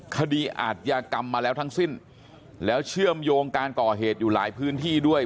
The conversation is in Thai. คดีอาทยากรรมมาแล้วทั้งสิ้นแล้วเชื่อมโยงการก่อเหตุอยู่หลายพื้นที่ด้วย